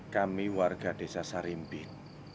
kami warga desa sarimpit